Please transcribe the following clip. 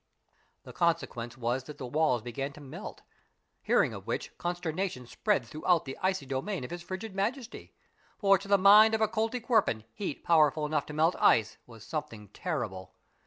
The consequence was that the walls began to melt, hearing of which, consternation spread throughout the icy domain of his frigid Majesty, for to the mind of a Koltykwerp heat powerful enough to melt ice was something terrible.